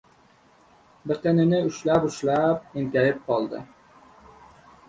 Biqinini ushlab-ushlab, enkayib qoldi.